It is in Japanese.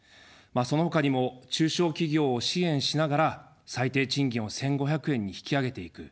そのほかにも中小企業を支援しながら、最低賃金を１５００円に引き上げていく。